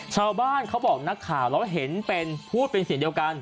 เขาบอกนักข่าวแล้วเห็นเป็นพูดเป็นเสียงเดียวกัน